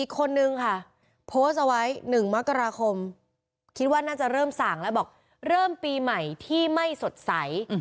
คนนึงค่ะโพสต์เอาไว้๑มกราคมคิดว่าน่าจะเริ่มสั่งแล้วบอกเริ่มปีใหม่ที่ไม่สดใส